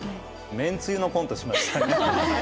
めんつゆのコントしましたね。